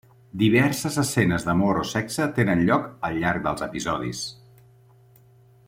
Diverses escenes d'amor o sexe tenen lloc al llarg dels episodis.